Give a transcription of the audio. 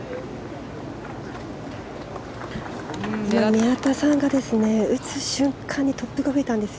宮田さんが打つ瞬間に突風が吹いたんです。